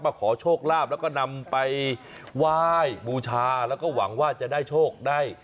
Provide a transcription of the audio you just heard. ขอโชคลาภแล้วก็นำไปไหว้บูชาแล้วก็หวังว่าจะได้โชคได้